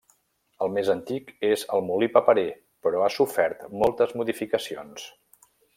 El més antic és el molí paperer però ha sofert moltes modificacions.